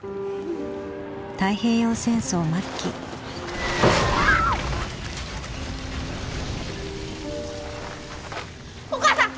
太平洋戦争末期お母さん！